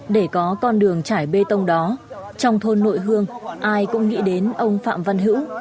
để có con đường trải bê tông đó trong thôn nội hương ai cũng nghĩ đến ông phạm văn hữu